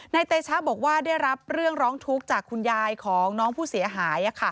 เตชะบอกว่าได้รับเรื่องร้องทุกข์จากคุณยายของน้องผู้เสียหาย